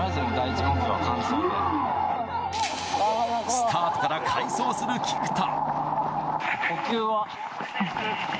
スタートから快走する菊田。